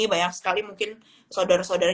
banyak sekali mungkin saudara saudara